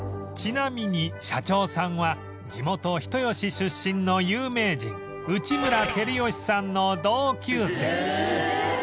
ちなみに社長さんは地元人吉出身の有名人内村光良さんの同級生